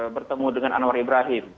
bertemu dengan anwar ibrahim